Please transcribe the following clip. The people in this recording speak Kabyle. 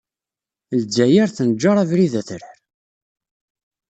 Lezzayer tenjeṛ abrid atrar.